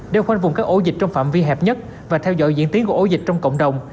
đều khoanh vùng các ổ dịch trong phạm vi hẹp nhất và theo dõi diễn tiến của ổ dịch trong cộng đồng